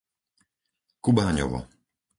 Kubáňovo